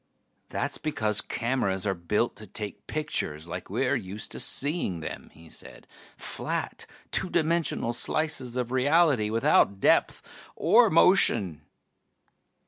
"That's because cameras are built to take pictures like we're used to seeing them," he said. "Flat, two dimensional slices of reality, without depth or motion."